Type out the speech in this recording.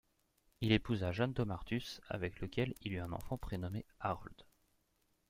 Il épousa Jane Domartus, avec laquelle il eut un enfant prénommé Harold.